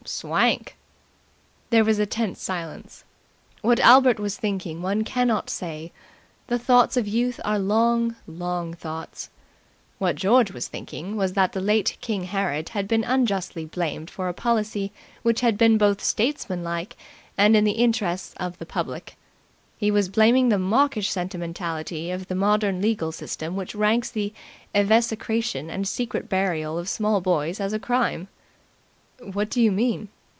"Swank!" There was a tense silence. What Albert was thinking one cannot say. The thoughts of Youth are long, long thoughts. What George was thinking was that the late King Herod had been unjustly blamed for a policy which had been both statesmanlike and in the interests of the public. He was blaming the mawkish sentimentality of the modern legal system which ranks the evisceration and secret burial of small boys as a crime. "What do you mean?"